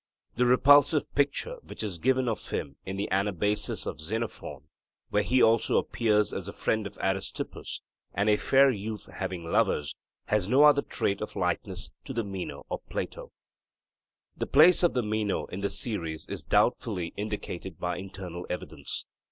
The repulsive picture which is given of him in the Anabasis of Xenophon, where he also appears as the friend of Aristippus 'and a fair youth having lovers,' has no other trait of likeness to the Meno of Plato. The place of the Meno in the series is doubtfully indicated by internal evidence.